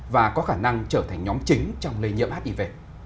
và có khả năng trở thành nhóm chính trong lây nhiễm hiv